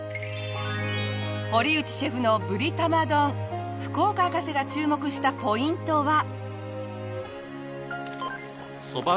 堀内シェフのブリ玉丼福岡博士が注目したポイントは？